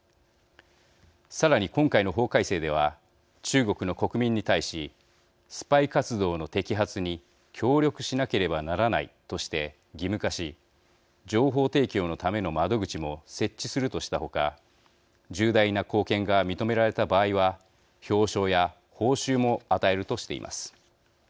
さらに、今回の法改正では中国の国民に対しスパイ活動の摘発に協力しなければならないとして義務化し情報提供のための窓口も設置するとした他重大な貢献が認められた場合は表彰や報奨も与えるとしています。